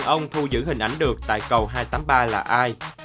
ông thu giữ hình ảnh được tại cầu hai trăm tám mươi ba là ai